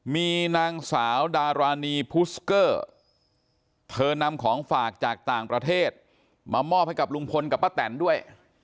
มีนางสาวดารานีพูสเกอร์เธอนำของฝากจากต่างประเทศมามอบให้กับลุงพลกับป้าแตนด้วย